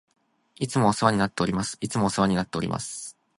いつもお世話になっております。いつもお世話になっております。